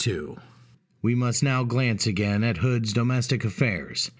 "] We must now glance again at Hood's domestic affairs.